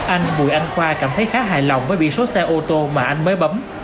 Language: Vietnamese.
anh bùi anh khoa cảm thấy khá hài lòng với biển số xe ô tô mà anh mới bấm